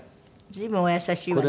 随分お優しいわね。